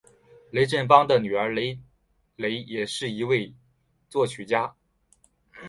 雷振邦的女儿雷蕾也是一位作曲家。